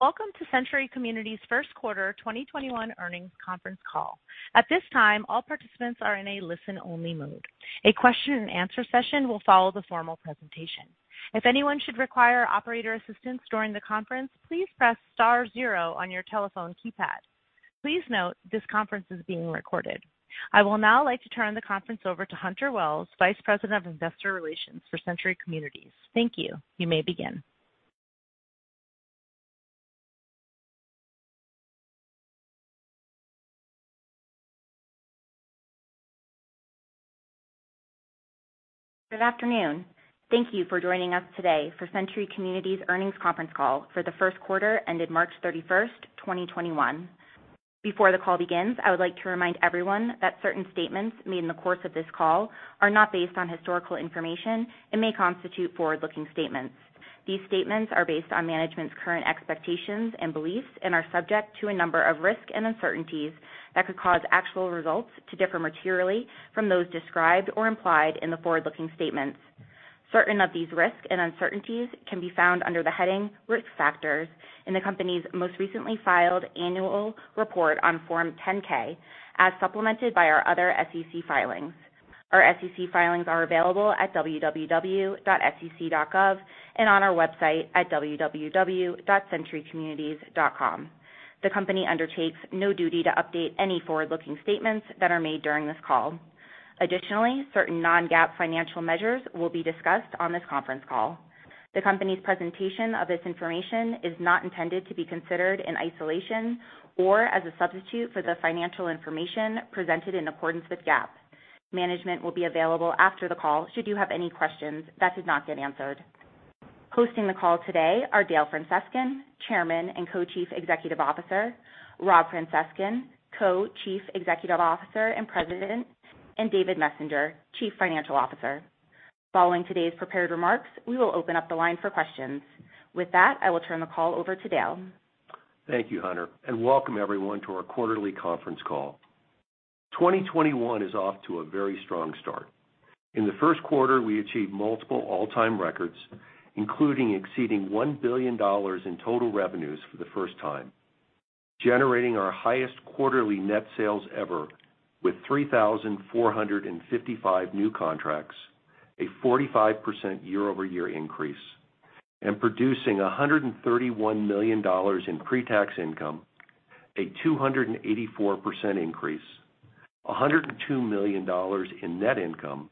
Welcome to Century Communities' first quarter 2021 earnings conference call. At this time, all participants are in a listen-only mode. A question and answer session will follow the formal presentation. If anyone should require operator assistance during the conference, please press star zero on your telephone keypad. Please note this conference is being recorded. I will now like to turn the conference over to Hunter Wells, Vice President of Investor Relations for Century Communities. Thank you. You may begin. Good afternoon. Thank you for joining us today for Century Communities' earnings conference call for the first quarter ended March 31st, 2021. Before the call begins, I would like to remind everyone that certain statements made in the course of this call are not based on historical information and may constitute forward-looking statements. These statements are based on management's current expectations and beliefs and are subject to a number of risks and uncertainties that could cause actual results to differ materially from those described or implied in the forward-looking statements. Certain of these risks and uncertainties can be found under the heading Risk Factors in the company's most recently filed annual report on Form 10-K, as supplemented by our other SEC filings. Our SEC filings are available at www.sec.gov and on our website at www.centurycommunities.com. The company undertakes no duty to update any forward-looking statements that are made during this call. Additionally, certain non-GAAP financial measures will be discussed on this conference call. The company's presentation of this information is not intended to be considered in isolation or as a substitute for the financial information presented in accordance with GAAP. Management will be available after the call should you have any questions that did not get answered. Hosting the call today are Dale Francescon, Chairman and Co-Chief Executive Officer, Rob Francescon, Co-Chief Executive Officer and President, and David Messenger, Chief Financial Officer. Following today's prepared remarks, we will open up the line for questions. With that, I will turn the call over to Dale. Thank you, Hunter, and welcome everyone to our quarterly conference call. 2021 is off to a very strong start. In the first quarter, we achieved multiple all-time records, including exceeding $1 billion in total revenues for the first time, generating our highest quarterly net sales ever with 3,455 new contracts, a 45% year-over-year increase, and producing $131 million in pre-tax income, a 284% increase, $102 million in net income,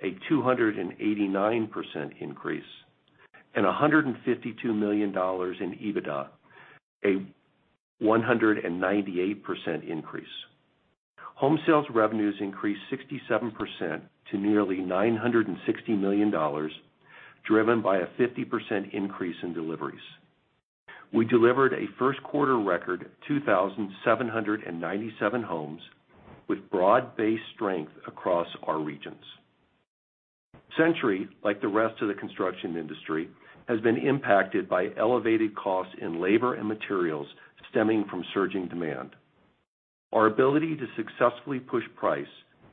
a 289% increase, and $152 million in EBITDA, a 198% increase. Home sales revenues increased 67% to nearly $960 million, driven by a 50% increase in deliveries. We delivered a first-quarter record 2,797 homes, with broad-based strength across our regions. Century, like the rest of the construction industry, has been impacted by elevated costs in labor and materials stemming from surging demand. Our ability to successfully push price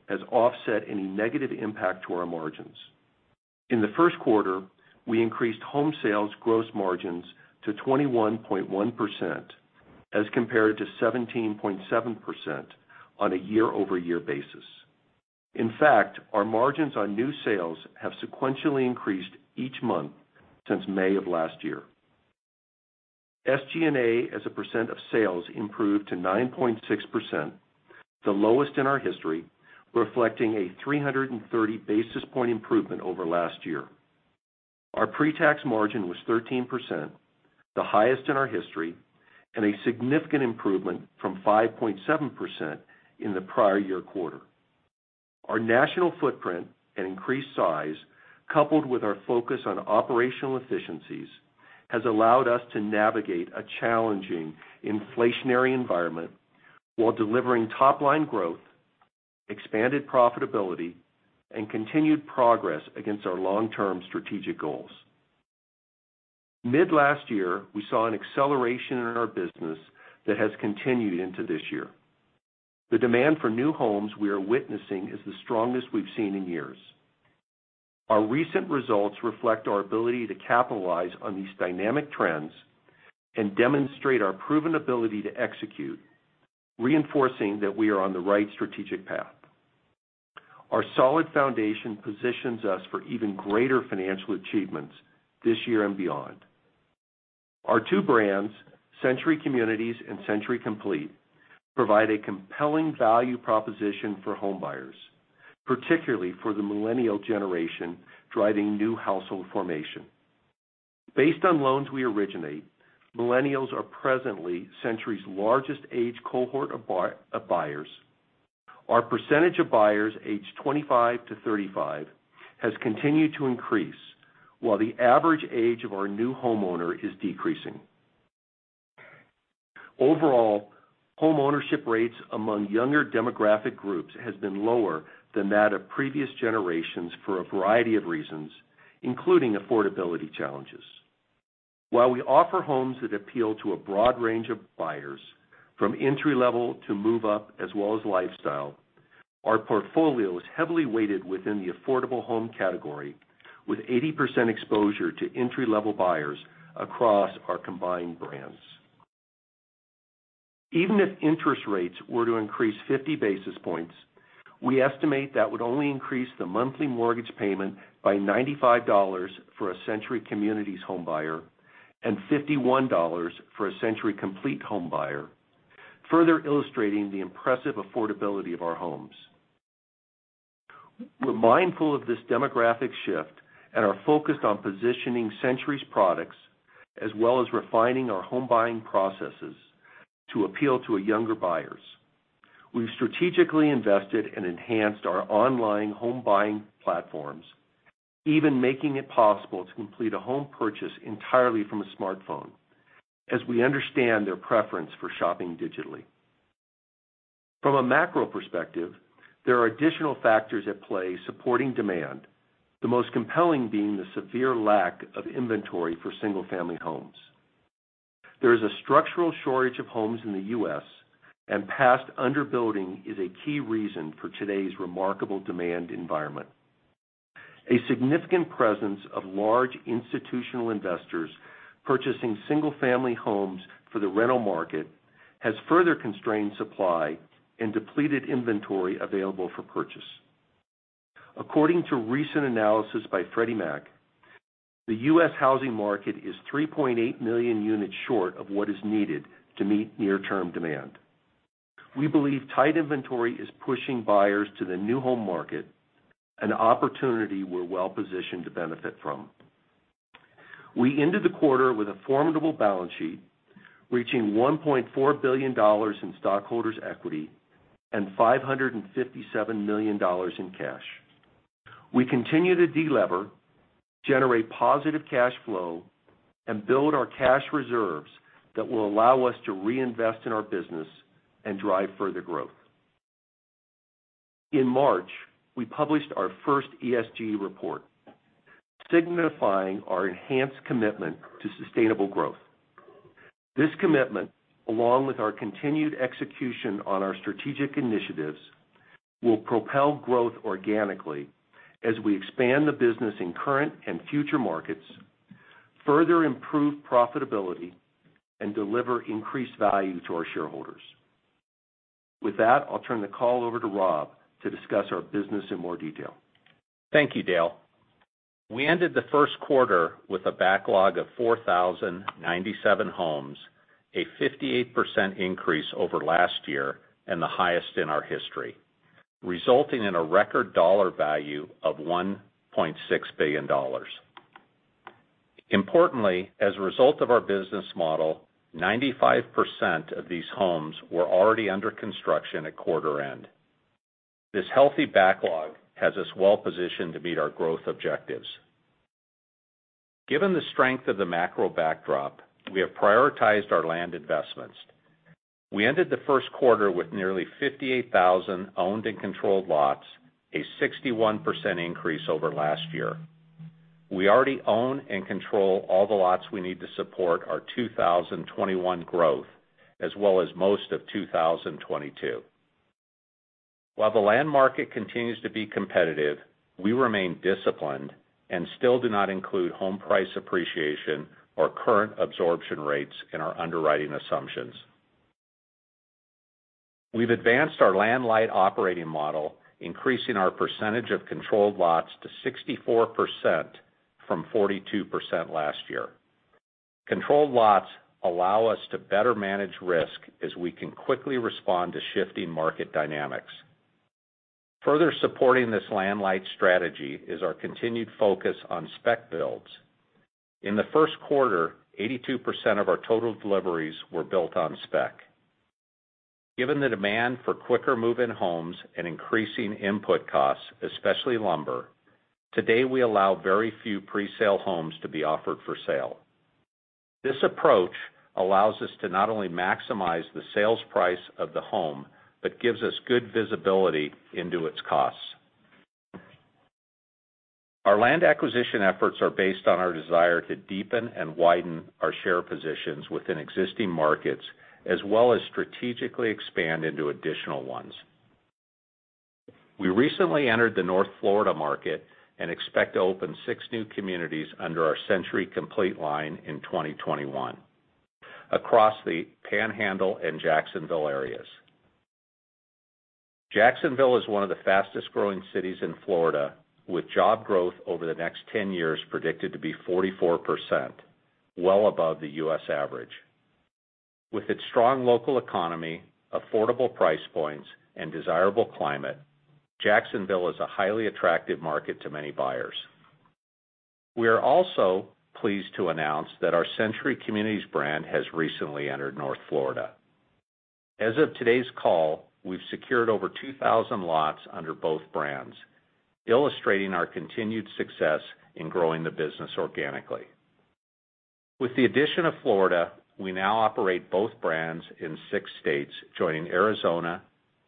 has offset any negative impact to our margins. In the first quarter, we increased home sales gross margins to 21.1% as compared to 17.7% on a year-over-year basis. In fact, our margins on new sales have sequentially increased each month since May of last year. SG&A as a percent of sales improved to 9.6%, the lowest in our history, reflecting a 330 basis point improvement over last year. Our pre-tax margin was 13%, the highest in our history, and a significant improvement from 5.7% in the prior year quarter. Our national footprint and increased size, coupled with our focus on operational efficiencies, has allowed us to navigate a challenging inflationary environment while delivering top-line growth, expanded profitability, and continued progress against our long-term strategic goals. Mid last year, we saw an acceleration in our business that has continued into this year. The demand for new homes we are witnessing is the strongest we've seen in years. Our recent results reflect our ability to capitalize on these dynamic trends and demonstrate our proven ability to execute, reinforcing that we are on the right strategic path. Our solid foundation positions us for even greater financial achievements this year and beyond. Our two brands, Century Communities and Century Complete, provide a compelling value proposition for homebuyers, particularly for the millennial generation driving new household formation. Based on loans we originate, millennials are presently Century's largest age cohort of buyers. Our percentage of buyers aged 25-35 has continued to increase, while the average age of our new homeowner is decreasing. Overall, homeownership rates among younger demographic groups has been lower than that of previous generations for a variety of reasons, including affordability challenges. While we offer homes that appeal to a broad range of buyers, from entry-level to move-up as well as lifestyle. Our portfolio is heavily weighted within the affordable home category, with 80% exposure to entry-level buyers across our combined brands. Even if interest rates were to increase 50 basis points, we estimate that would only increase the monthly mortgage payment by $95 for a Century Communities home buyer and $51 for a Century Complete home buyer, further illustrating the impressive affordability of our homes. We're mindful of this demographic shift and are focused on positioning Century's products, as well as refining our home buying processes to appeal to younger buyers. We've strategically invested and enhanced our online home buying platforms, even making it possible to complete a home purchase entirely from a smartphone, as we understand their preference for shopping digitally. From a macro perspective, there are additional factors at play supporting demand, the most compelling being the severe lack of inventory for single-family homes. There is a structural shortage of homes in the U.S., and past under-building is a key reason for today's remarkable demand environment. A significant presence of large institutional investors purchasing single-family homes for the rental market has further constrained supply and depleted inventory available for purchase. According to recent analysis by Freddie Mac, the U.S. housing market is 3.8 million units short of what is needed to meet near-term demand. We believe tight inventory is pushing buyers to the new home market, an opportunity we're well-positioned to benefit from. We ended the quarter with a formidable balance sheet, reaching $1.4 billion in stockholders' equity and $557 million in cash. We continue to delever, generate positive cash flow, and build our cash reserves that will allow us to reinvest in our business and drive further growth. In March, we published our first ESG report, signifying our enhanced commitment to sustainable growth. This commitment, along with our continued execution on our strategic initiatives, will propel growth organically as we expand the business in current and future markets, further improve profitability, and deliver increased value to our shareholders. With that, I'll turn the call over to Rob to discuss our business in more detail. Thank you, Dale. We ended the first quarter with a backlog of 4,097 homes, a 58% increase over last year, and the highest in our history, resulting in a record dollar value of $1.6 billion. Importantly, as a result of our business model, 95% of these homes were already under construction at quarter end. This healthy backlog has us well-positioned to meet our growth objectives. Given the strength of the macro backdrop, we have prioritized our land investments. We ended the first quarter with nearly 58,000 owned and controlled lots, a 61% increase over last year. We already own and control all the lots we need to support our 2021 growth, as well as most of 2022. While the land market continues to be competitive, we remain disciplined and still do not include home price appreciation or current absorption rates in our underwriting assumptions. We've advanced our land-light operating model, increasing our percentage of controlled lots to 64% from 42% last year. Controlled lots allow us to better manage risk as we can quickly respond to shifting market dynamics. Further supporting this land-light strategy is our continued focus on spec builds. In the first quarter, 82% of our total deliveries were built on spec. Given the demand for quicker move-in homes and increasing input costs, especially lumber, today, we allow very few pre-sale homes to be offered for sale. This approach allows us to not only maximize the sales price of the home but gives us good visibility into its costs. Our land acquisition efforts are based on our desire to deepen and widen our share positions within existing markets, as well as strategically expand into additional ones. We recently entered the North Florida market and expect to open six new communities under our Century Complete line in 2021 across the Panhandle and Jacksonville areas. Jacksonville is one of the fastest-growing cities in Florida, with job growth over the next 10 years predicted to be 44%, well above the U.S. average. With its strong local economy, affordable price points, and desirable climate, Jacksonville is a highly attractive market to many buyers. We are also pleased to announce that our Century Communities brand has recently entered North Florida. As of today's call, we've secured over 2,000 lots under both brands, illustrating our continued success in growing the business organically. With the addition of Florida, we now operate both brands in six states, joining Arizona,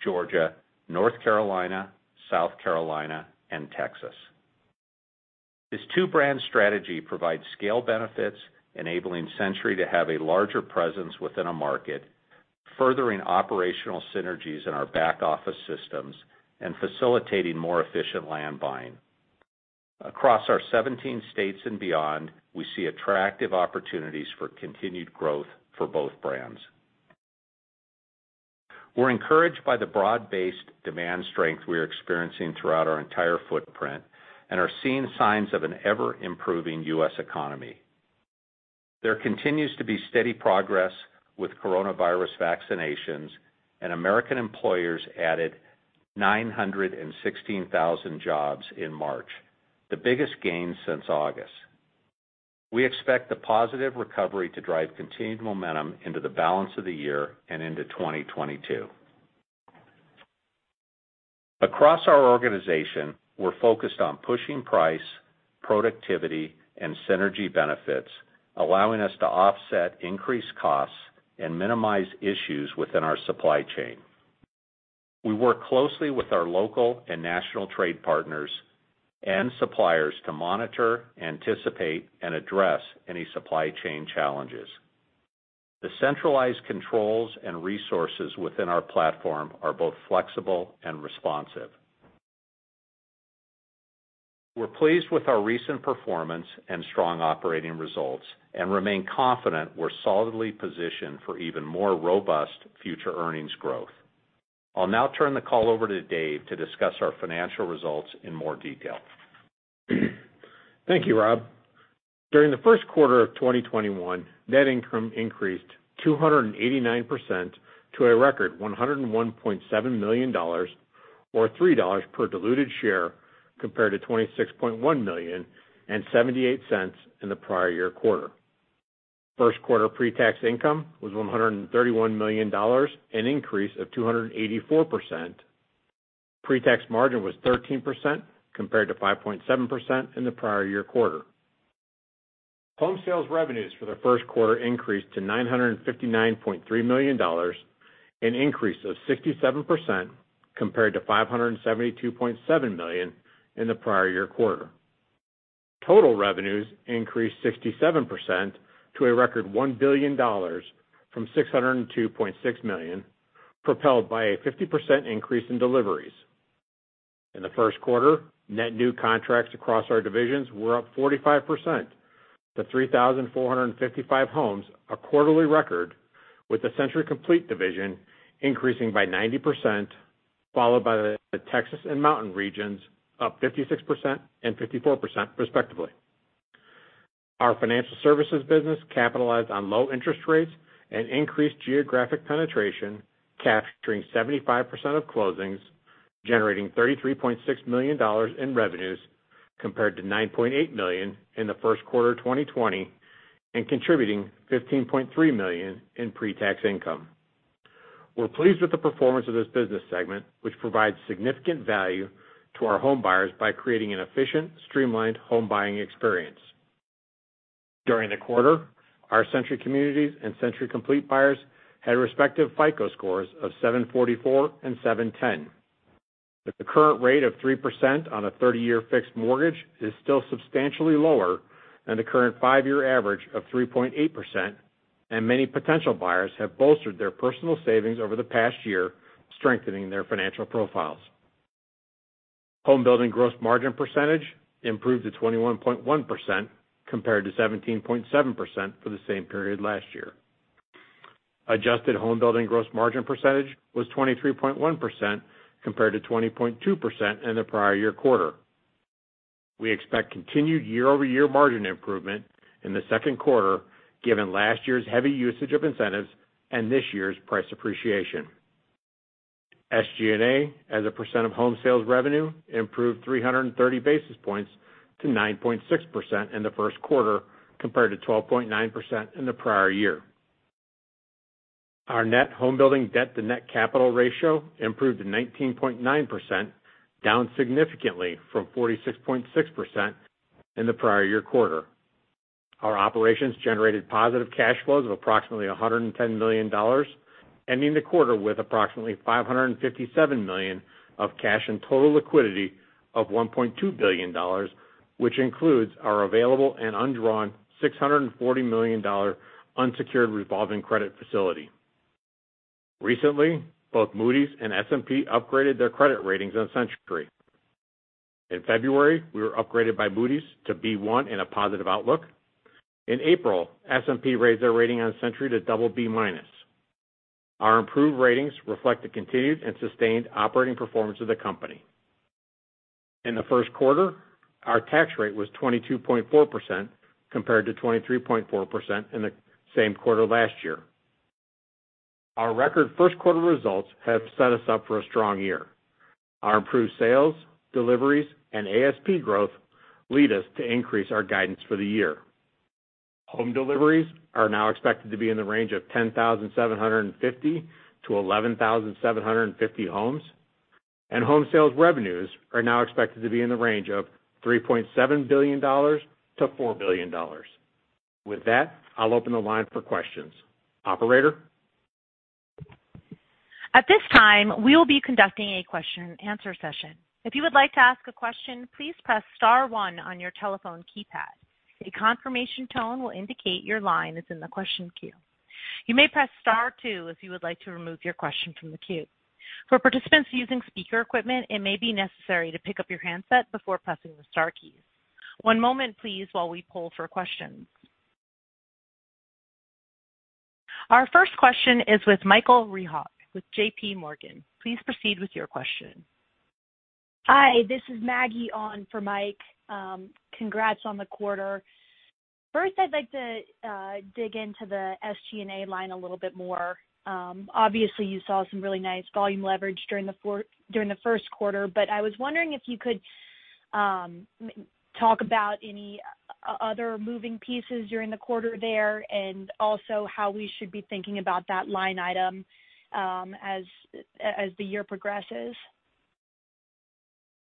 Georgia, North Carolina, South Carolina, and Texas. This two-brand strategy provides scale benefits, enabling Century to have a larger presence within a market, furthering operational synergies in our back-office systems, and facilitating more efficient land buying. Across our 17 states and beyond, we see attractive opportunities for continued growth for both brands. We're encouraged by the broad-based demand strength we are experiencing throughout our entire footprint and are seeing signs of an ever-improving U.S. economy. There continues to be steady progress with coronavirus vaccinations, and American employers added 916,000 jobs in March, the biggest gain since August. We expect the positive recovery to drive continued momentum into the balance of the year and into 2022. Across our organization, we're focused on pushing price, productivity, and synergy benefits, allowing us to offset increased costs and minimize issues within our supply chain. We work closely with our local and national trade partners and suppliers to monitor, anticipate, and address any supply chain challenges. The centralized controls and resources within our platform are both flexible and responsive. We're pleased with our recent performance and strong operating results and remain confident we're solidly positioned for even more robust future earnings growth. I'll now turn the call over to Dave to discuss our financial results in more detail. Thank you, Rob. During the first quarter of 2021, net income increased 289% to a record $101.7 million, or $3 per diluted share, compared to $26.1 million and $0.78 in the prior year quarter. First quarter pre-tax income was $131 million, an increase of 284%. Pre-tax margin was 13% compared to 5.7% in the prior year quarter. Home sales revenues for the first quarter increased to $959.3 million, an increase of 67%, compared to $572.7 million in the prior year quarter. Total revenues increased 67% to a record $1 billion, from $602.6 million, propelled by a 50% increase in deliveries. In the first quarter, net new contracts across our divisions were up 45% to 3,455 homes, a quarterly record, with the Century Complete division increasing by 90%, followed by the Texas and Mountain regions, up 56% and 54% respectively. Our financial services business capitalized on low interest rates and increased geographic penetration, capturing 75% of closings, generating $33.6 million in revenues compared to $9.8 million in the first quarter of 2020, and contributing $15.3 million in pre-tax income. We're pleased with the performance of this business segment, which provides significant value to our home buyers by creating an efficient, streamlined home buying experience. During the quarter, our Century Communities and Century Complete buyers had respective FICO scores of 744 and 710. The current rate of 3% on a 30-year fixed mortgage is still substantially lower than the current five-year average of 3.8%, and many potential buyers have bolstered their personal savings over the past year, strengthening their financial profiles. Home building gross margin percentage improved to 21.1%, compared to 17.7% for the same period last year. Adjusted home building gross margin percentage was 23.1%, compared to 20.2% in the prior year quarter. We expect continued year-over-year margin improvement in the second quarter, given last year's heavy usage of incentives and this year's price appreciation. SG&A as a percent of home sales revenue improved 330 basis points to 9.6% in the first quarter, compared to 12.9% in the prior year. Our net home building debt to net capital ratio improved to 19.9%, down significantly from 46.6% in the prior year quarter. Our operations generated positive cash flows of approximately $110 million, ending the quarter with approximately $557 million of cash and total liquidity of $1.2 billion, which includes our available and undrawn $640 million unsecured revolving credit facility. Recently, both Moody's and S&P upgraded their credit ratings on Century. In February, we were upgraded by Moody's to B1 and a positive outlook. In April, S&P raised their rating on Century to BB-. Our improved ratings reflect the continued and sustained operating performance of the company. In the first quarter, our tax rate was 22.4%, compared to 23.4% in the same quarter last year. Our record first quarter results have set us up for a strong year. Our improved sales, deliveries, and ASP growth lead us to increase our guidance for the year. Home deliveries are now expected to be in the range of 10,750-11,750 homes, and home sales revenues are now expected to be in the range of $3.7 billion-$4 billion. With that, I'll open the line for questions. Operator? At this time, we will be conducting a question and answer session. If you would like to ask a question, please press star one on your telephone keypad. A confirmation tone will indicate your line is in the question queue. You may press star two if you would like to remove your question from the queue. For participants using speaker equipment, it may be necessary to pick up your handset before pressing the star keys. One moment please while we poll for questions. Our first question is with Michael Rehaut with JPMorgan. Please proceed with your question. Hi, this is Maggie on for Mike. Congrats on the quarter. I'd like to dig into the SG&A line a little bit more. Obviously, you saw some really nice volume leverage during the first quarter, but I was wondering if you could talk about any other moving pieces during the quarter there, and also how we should be thinking about that line item as the year progresses.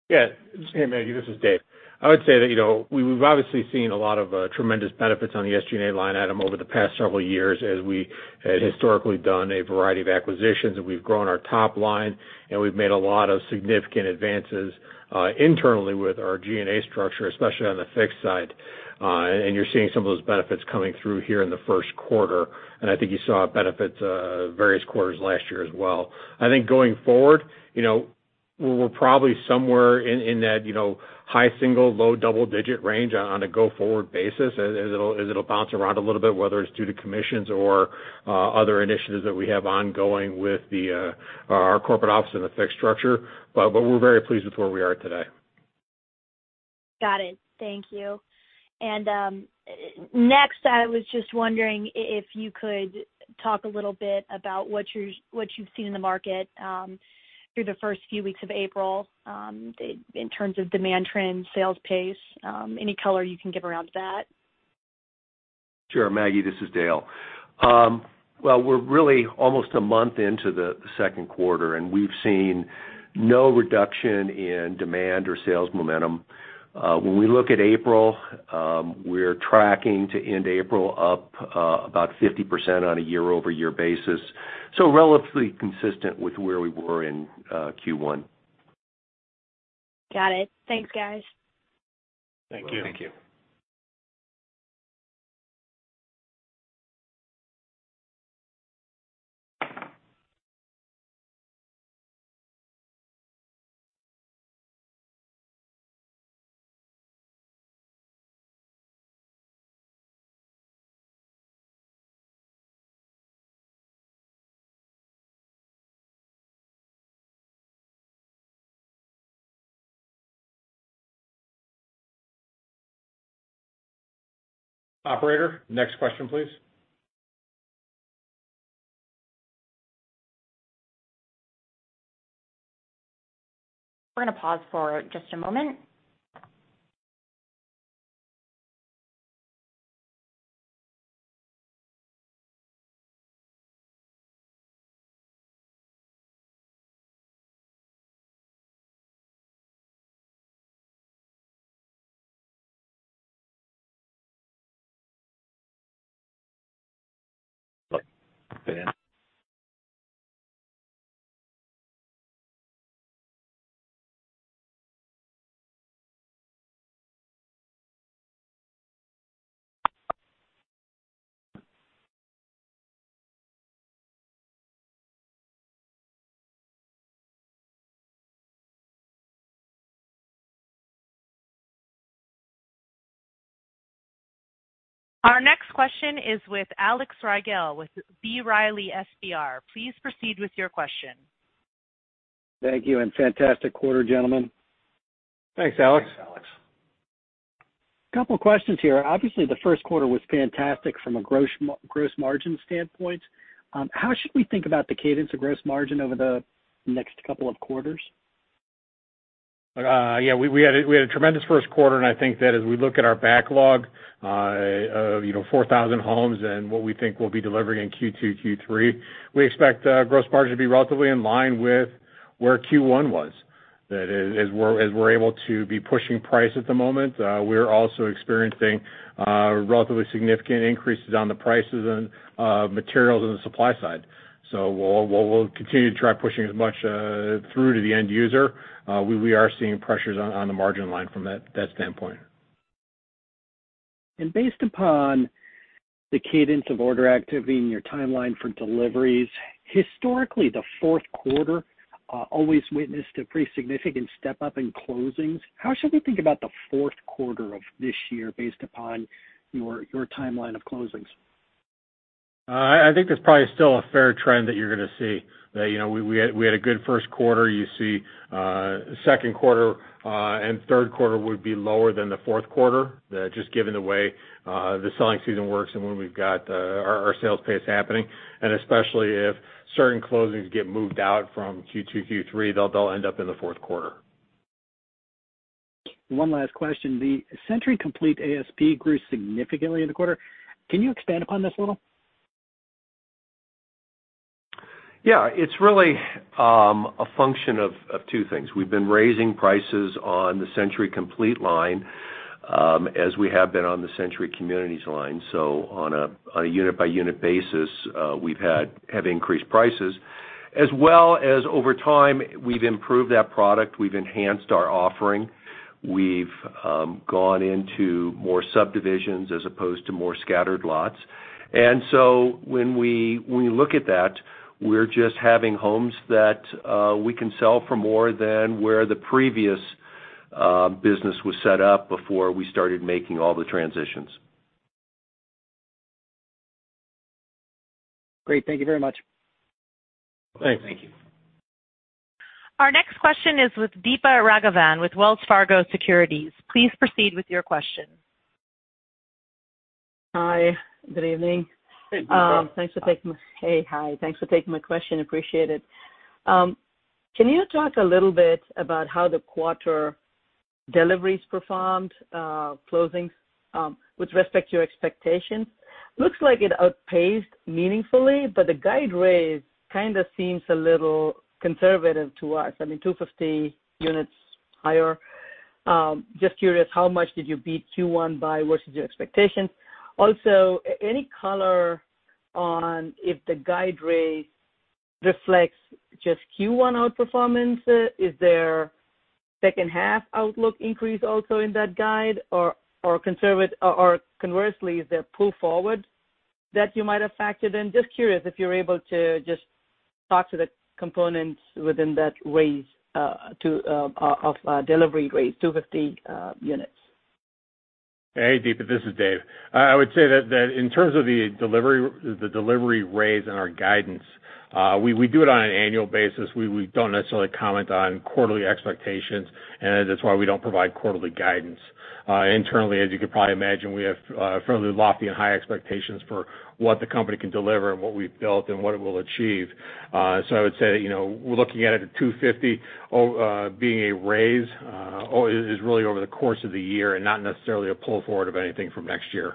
Yeah. Hey, Maggie. This is Dave. I would say that we've obviously seen a lot of tremendous benefits on the SG&A line item over the past several years as we had historically done a variety of acquisitions, and we've grown our top line, and we've made a lot of significant advances internally with our G&A structure, especially on the fixed side. You're seeing some of those benefits coming through here in the first quarter, and I think you saw benefits various quarters last year as well. I think going forward, we're probably somewhere in that high single, low double-digit range on a go-forward basis, as it'll bounce around a little bit, whether it's due to commissions or other initiatives that we have ongoing with our corporate office and the fixed structure. We're very pleased with where we are today. Got it. Thank you. Next, I was just wondering if you could talk a little bit about what you've seen in the market through the first few weeks of April in terms of demand trends, sales pace. Any color you can give around that? Sure, Maggie. This is Dale. Well, we're really almost a month into the second quarter, and we've seen no reduction in demand or sales momentum. When we look at April, we're tracking to end April up about 50% on a year-over-year basis. Relatively consistent with where we were in Q1. Got it. Thanks, guys. Thank you. Operator, next question, please. We're going to pause for just a moment. Our next question is with Alex Rygiel with B. Riley Securities. Please proceed with your question. Thank you, and fantastic quarter, gentlemen. Thanks, Alex. A couple of questions here. Obviously, the first quarter was fantastic from a gross margin standpoint. How should we think about the cadence of gross margin over the next couple of quarters? Yeah, we had a tremendous first quarter. I think that as we look at our backlog of 4,000 homes and what we think we'll be delivering in Q2, Q3, we expect gross margin to be relatively in line with where Q1 was. As we're able to be pushing price at the moment, we're also experiencing relatively significant increases on the prices and materials on the supply side. We'll continue to try pushing as much through to the end user. We are seeing pressures on the margin line from that standpoint. Based upon the cadence of order activity and your timeline for deliveries, historically, the fourth quarter always witnessed a pretty significant step-up in closings. How should we think about the fourth quarter of this year based upon your timeline of closings? I think there's probably still a fair trend that you're going to see. We had a good first quarter. Second quarter and third quarter would be lower than the fourth quarter, just given the way the selling season works and when we've got our sales pace happening, and especially if certain closings get moved out from Q2, Q3, they'll end up in the fourth quarter. One last question. The Century Complete ASP grew significantly in the quarter. Can you expand upon this a little? Yeah. It's really a function of two things. We've been raising prices on the Century Complete line As we have been on the Century Communities line. On a unit-by-unit basis, we've had increased prices. As well as over time, we've improved that product. We've enhanced our offering. We've gone into more subdivisions as opposed to more scattered lots. When we look at that, we're just having homes that we can sell for more than where the previous business was set up before we started making all the transitions. Great. Thank you very much. Thank you. Our next question is with Deepa Raghavan, with Wells Fargo Securities. Please proceed with your question. Hi. Good evening. Hey, Deepa. Hey. Hi. Thanks for taking my question. Appreciate it. Can you talk a little bit about how the quarter deliveries performed, closings, with respect to your expectations? Looks like it outpaced meaningfully, but the guide raise kind of seems a little conservative to us. I mean 250 units higher. Just curious, how much did you beat Q1 by? What's your expectation? Any color on if the guide raise reflects just Q1 outperformance? Is there second half outlook increase also in that guide? Conversely, is there pull forward that you might have factored in? Just curious if you're able to just talk to the components within that raise of delivery raise, 250 units. Hey, Deepa. This is Dave. I would say that in terms of the delivery raise and our guidance, we do it on an annual basis. We don't necessarily comment on quarterly expectations, and that's why we don't provide quarterly guidance. Internally, as you could probably imagine, we have fairly lofty and high expectations for what the company can deliver and what we've built and what it will achieve. I would say that, we're looking at it at 250 being a raise, is really over the course of the year and not necessarily a pull forward of anything from next year.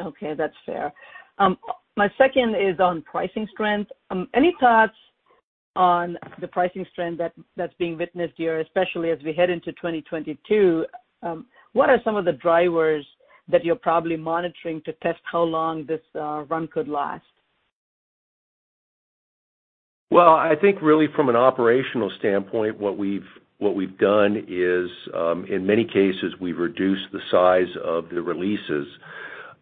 Okay. That's fair. My second is on pricing strength. Any thoughts on the pricing strength that's being witnessed here, especially as we head into 2022? What are some of the drivers that you're probably monitoring to test how long this run could last? I think really from an operational standpoint, what we've done is, in many cases, we've reduced the size of the releases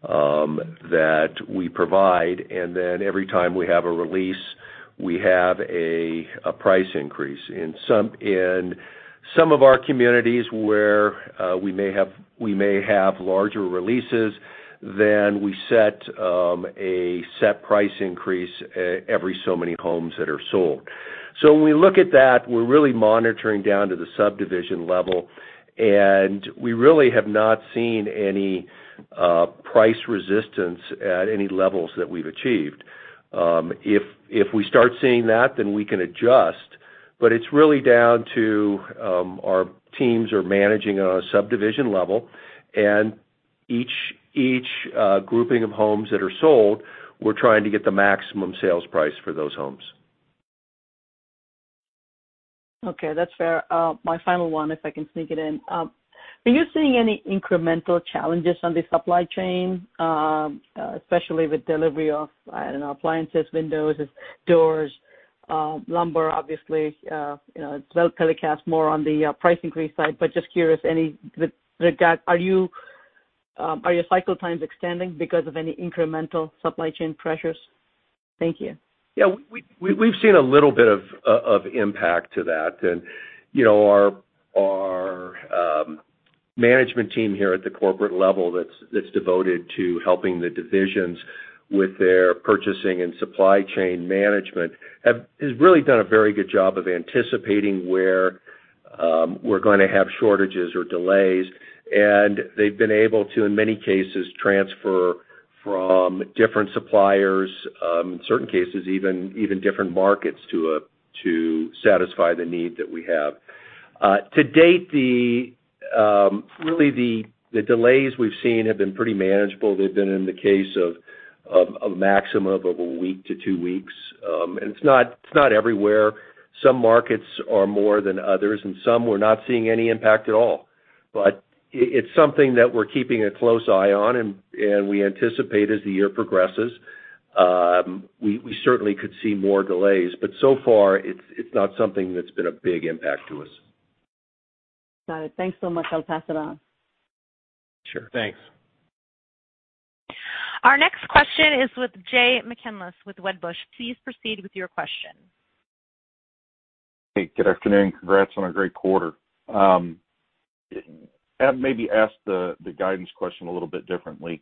that we provide, and then every time we have a release, we have a price increase. In some of our communities where we may have larger releases, we set a set price increase every so many homes that are sold. When we look at that, we're really monitoring down to the subdivision level, and we really have not seen any price resistance at any levels that we've achieved. If we start seeing that, we can adjust, but it's really down to our teams are managing on a subdivision level, and each grouping of homes that are sold, we're trying to get the maximum sales price for those homes. Okay. That's fair. My final one, if I can sneak it in. Are you seeing any incremental challenges on the supply chain, especially with delivery of, I don't know, appliances, windows, doors, lumber, obviously. It's telecast more on the price increase side, but just curious, are your cycle times extending because of any incremental supply chain pressures? Thank you. Yeah. We've seen a little bit of impact to that. Our management team here at the corporate level that's devoted to helping the divisions with their purchasing and supply chain management, has really done a very good job of anticipating where we're going to have shortages or delays. They've been able to, in many cases, transfer from different suppliers, in certain cases, even different markets to satisfy the need that we have. To date, really the delays we've seen have been pretty manageable. They've been in the case of a maximum of a week to two weeks. It's not everywhere. Some markets are more than others, and some we're not seeing any impact at all. It's something that we're keeping a close eye on, and we anticipate as the year progresses, we certainly could see more delays, but so far it's not something that's been a big impact to us. Got it. Thanks so much. I'll pass it on. Sure. Thanks. Our next question is with Jay McCanless with Wedbush. Please proceed with your question. Hey, good afternoon. Congrats on a great quarter. I'll maybe ask the guidance question a little bit differently.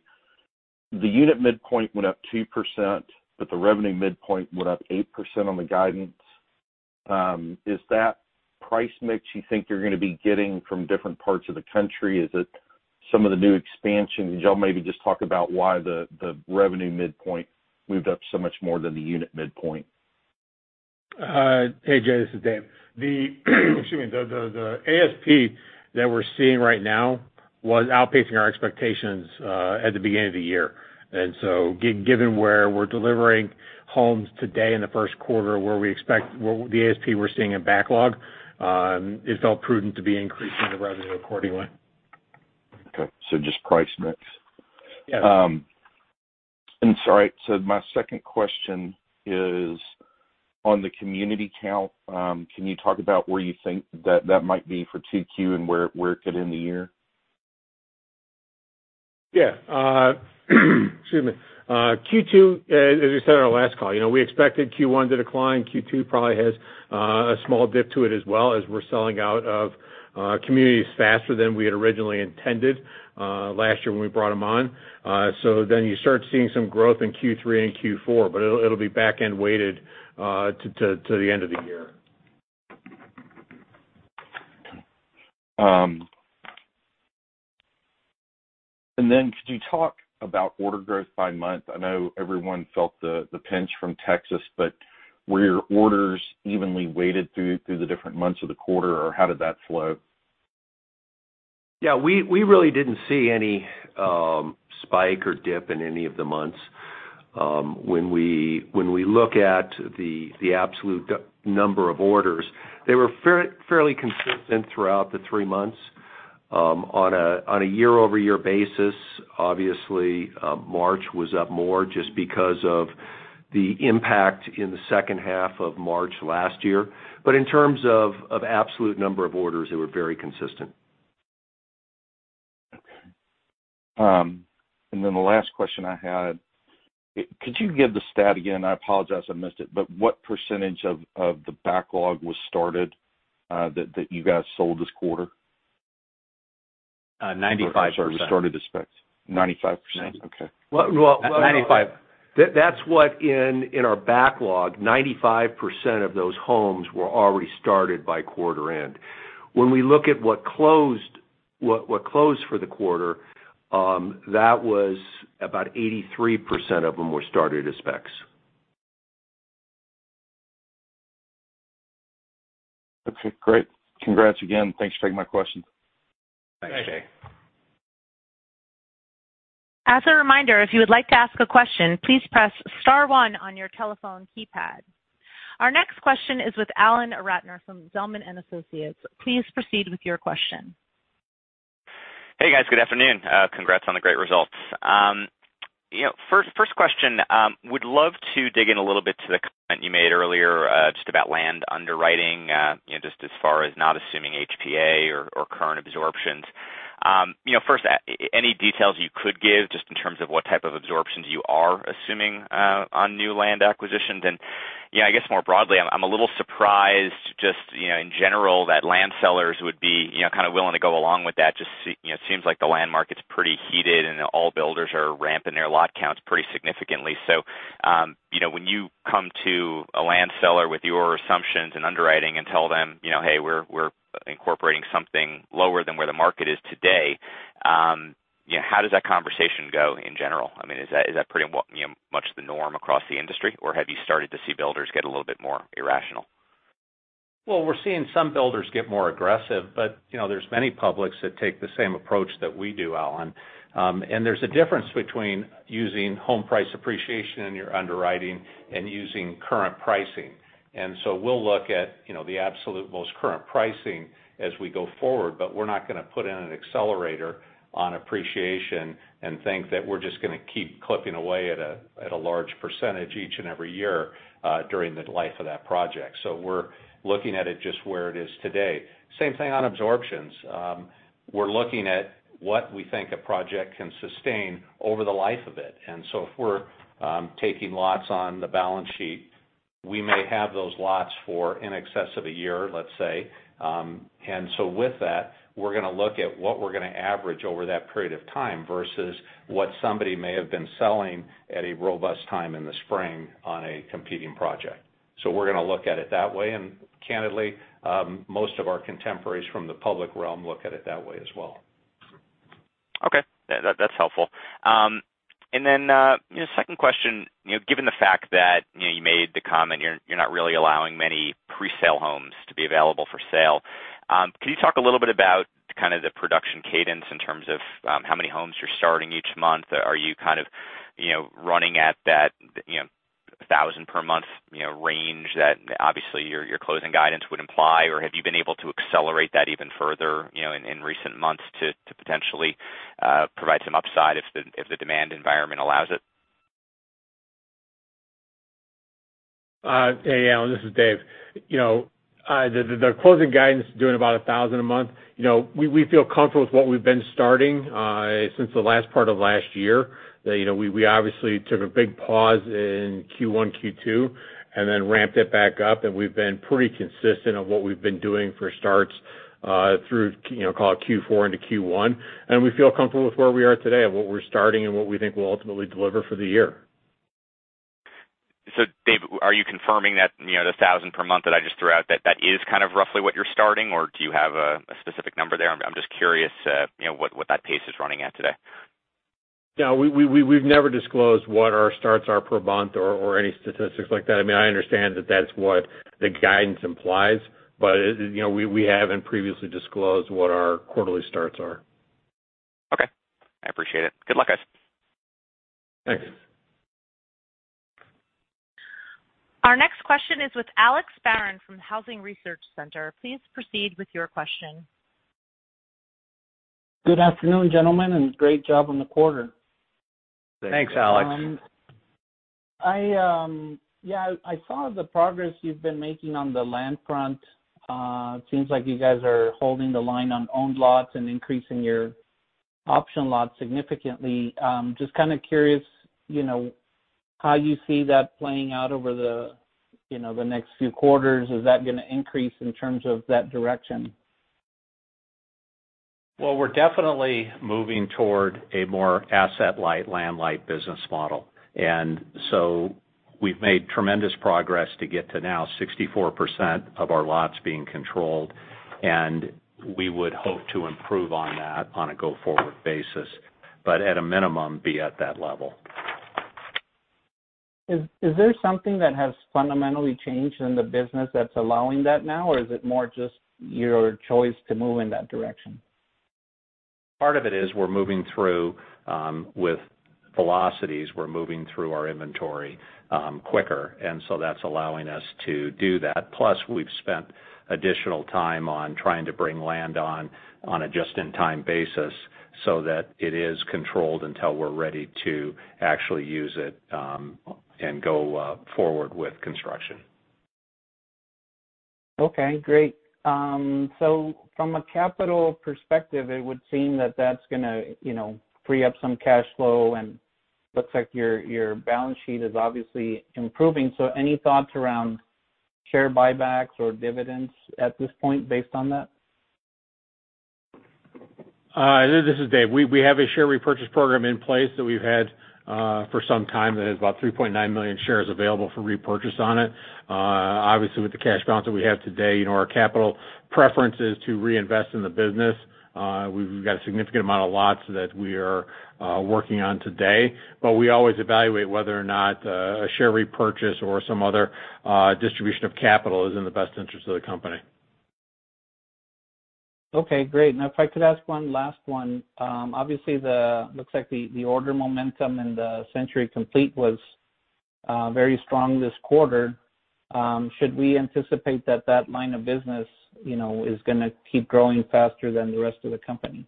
The unit midpoint went up 2%, but the revenue midpoint went up 8% on the guidance. Is that price mix you think you're going to be getting from different parts of the country? Is it some of the new expansions? Could y'all maybe just talk about why the revenue midpoint moved up so much more than the unit midpoint? Hey, Jay, this is David. Excuse me. The ASP that we're seeing right now was outpacing our expectations at the beginning of the year. Given where we're delivering homes today in the first quarter, where the ASP we're seeing in backlog, it felt prudent to be increasing the revenue accordingly. Okay, just price mix. Yes. Sorry, my second question is on the community count. Can you talk about where you think that might be for 2Q and where it could end the year? Yeah. Excuse me. Q2, as we said on our last call, we expected Q1 to decline. Q2 probably has a small dip to it as well, as we're selling out of communities faster than we had originally intended last year when we brought them on. You start seeing some growth in Q3 and Q4, but it'll be back-end weighted to the end of the year. Could you talk about order growth by month? I know everyone felt the pinch from Texas, but were your orders evenly weighted through the different months of the quarter, or how did that flow? Yeah, we really didn't see any spike or dip in any of the months. When we look at the absolute number of orders, they were fairly consistent throughout the three months. On a year-over-year basis, obviously, March was up more just because of the impact in the second half of March last year. In terms of absolute number of orders, they were very consistent. Okay. Then the last question I had, could you give the stat again? I apologize, I missed it, but what percentage of the backlog was started that you guys sold this quarter? 95%. Oh, sorry, was started as specs. 95%? 90%. Okay. Well- 95%. That's what in our backlog, 95% of those homes were already started by quarter end. When we look at what closed for the quarter, that was about 83% of them were started as specs. Okay, great. Congrats again. Thanks for taking my question. Thanks. As a reminder, if you would like to ask a question, please press star one on your telephone keypad. Our next question is with Alan Ratner from Zelman & Associates. Please proceed with your question. Hey, guys. Good afternoon. Congrats on the great results. First question, would love to dig in a little bit to the comment you made earlier just about land underwriting, just as far as not assuming HPA or current absorptions. First, any details you could give just in terms of what type of absorptions you are assuming on new land acquisitions? I guess more broadly, I'm a little surprised just in general that land sellers would be kind of willing to go along with that, just seems like the land market's pretty heated, and all builders are ramping their lot counts pretty significantly. When you come to a land seller with your assumptions and underwriting and tell them, "Hey, we're incorporating something lower than where the market is today," how does that conversation go in general? I mean, is that pretty much the norm across the industry, or have you started to see builders get a little bit more irrational? Well, we're seeing some builders get more aggressive, but there's many publics that take the same approach that we do, Alan. There's a difference between using home price appreciation in your underwriting and using current pricing. We'll look at the absolute most current pricing as we go forward, but we're not going to put in an accelerator on appreciation and think that we're just going to keep clipping away at a large percentage each and every year during the life of that project. We're looking at it just where it is today. Same thing on absorptions. We're looking at what we think a project can sustain over the life of it. If we're taking lots on the balance sheet, we may have those lots for in excess of one year, let's say. With that, we're going to look at what we're going to average over that period of time versus what somebody may have been selling at a robust time in the spring on a competing project. We're going to look at it that way, and candidly, most of our contemporaries from the public realm look at it that way as well. Okay. That's helpful. Then, second question, given the fact that you made the comment you're not really allowing many presale homes to be available for sale, can you talk a little bit about kind of the production cadence in terms of how many homes you're starting each month? Are you kind of running at that 1,000 per month range that obviously your closing guidance would imply, or have you been able to accelerate that even further in recent months to potentially provide some upside if the demand environment allows it? Hey, Alan, this is Dave. The closing guidance is doing about 1,000 a month. We feel comfortable with what we've been starting since the last part of last year. We obviously took a big pause in Q1, Q2, and then ramped it back up, and we've been pretty consistent on what we've been doing for starts through, call it Q4 into Q1. We feel comfortable with where we are today and what we're starting and what we think we'll ultimately deliver for the year. Dave, are you confirming that the 1,000 per month that I just threw out, that that is kind of roughly what you're starting, or do you have a specific number there? I'm just curious what that pace is running at today. Yeah. We've never disclosed what our starts are per month or any statistics like that. I understand that's what the guidance implies, but we haven't previously disclosed what our quarterly starts are. Okay. I appreciate it. Good luck, guys. Thanks. Our next question is with Alex Barrón from Housing Research Center. Please proceed with your question. Good afternoon, gentlemen, and great job on the quarter. Thanks, Alex. Yeah, I saw the progress you've been making on the land front. It seems like you guys are holding the line on owned lots and increasing your option lots significantly. Just kind of curious, how you see that playing out over the next few quarters. Is that going to increase in terms of that direction? Well, we're definitely moving toward a more asset-light, land-light business model. We've made tremendous progress to get to now 64% of our lots being controlled, and we would hope to improve on that on a go-forward basis. At a minimum, be at that level. Is there something that has fundamentally changed in the business that's allowing that now, or is it more just your choice to move in that direction? Part of it is we're moving through with velocities. We're moving through our inventory quicker. That's allowing us to do that. Plus, we've spent additional time on trying to bring land on a just-in-time basis, so that it is controlled until we're ready to actually use it, and go forward with construction. Okay, great. From a capital perspective, it would seem that's going to free up some cash flow and looks like your balance sheet is obviously improving. Any thoughts around share buybacks or dividends at this point based on that? This is Dave. We have a share repurchase program in place that we've had for some time that has about 3.9 million shares available for repurchase on it. Obviously, with the cash balance that we have today, our capital preference is to reinvest in the business. We've got a significant amount of lots that we are working on today, but we always evaluate whether or not a share repurchase or some other distribution of capital is in the best interest of the company. Okay, great. If I could ask one last one. Looks like the order momentum in the Century Complete was very strong this quarter. Should we anticipate that line of business is going to keep growing faster than the rest of the company?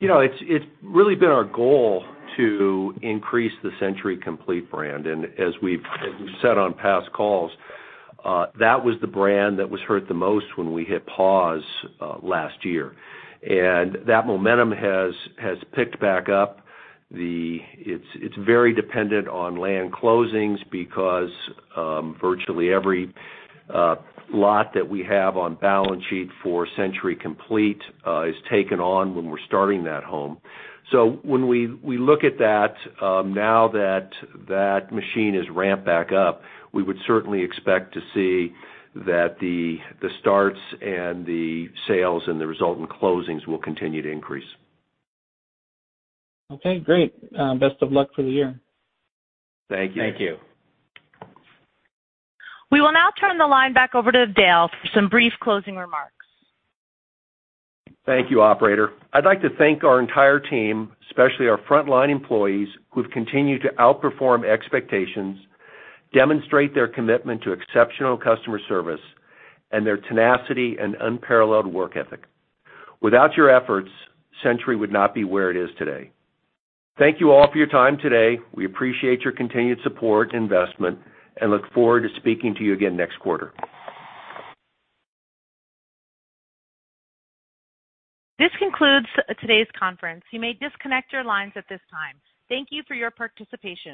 It's really been our goal to increase the Century Complete brand. As we've said on past calls, that was the brand that was hurt the most when we hit pause last year. That momentum has picked back up. It's very dependent on land closings because virtually every lot that we have on balance sheet for Century Complete is taken on when we're starting that home. When we look at that, now that machine is ramped back up, we would certainly expect to see that the starts and the sales and the resultant closings will continue to increase. Okay, great. Best of luck for the year. Thank you. We will now turn the line back over to Dale for some brief closing remarks. Thank you, operator. I'd like to thank our entire team, especially our frontline employees, who've continued to outperform expectations, demonstrate their commitment to exceptional customer service, and their tenacity and unparalleled work ethic. Without your efforts, Century would not be where it is today. Thank you all for your time today. We appreciate your continued support, investment, and look forward to speaking to you again next quarter. This concludes today's conference. You may disconnect your lines at this time. Thank you for your participation.